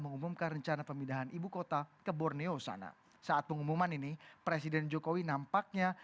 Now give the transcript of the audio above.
mengumumkan rencana pemindahan ibu kota ke borneo sana saat pengumuman ini presiden jokowi nampaknya